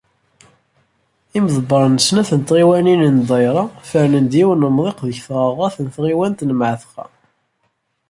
Imḍebbren n snat n tɣiwanin n ddayra, fernen-d yiwen umḍiq deg tɣerɣart n tɣiwant n Mεatqa.